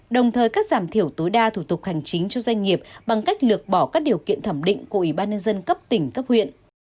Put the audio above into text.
đồng thời cắt giảm thiểu tối đa thủ tục hành chính cho doanh nghiệp bằng cách lược bỏ các điều kiện thẩm định của ủy ban nhân dân cấp tỉnh cấp huyện